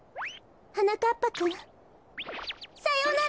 はなかっぱくんさようなら！